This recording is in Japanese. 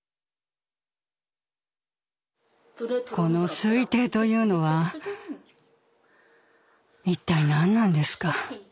この「推定」というのは一体何なんですか。